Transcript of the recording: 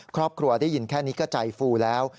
ครอบครัวได้ยินแค่นี้ก็ใจฟูแล้ว